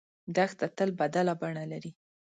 دښته تل بدله بڼه لري.